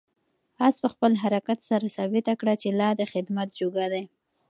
آس په خپل حرکت سره ثابته کړه چې لا د خدمت جوګه دی.